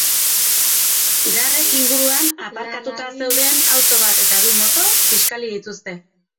Garrek inguruan aparkatuta zeuden auto bat eta bi moto kiskali dituzte.